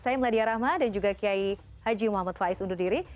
saya meladia rahma dan juga kiai haji muhammad faiz undur diri